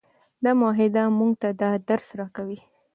دا معاهده موږ ته دا درس راکوي.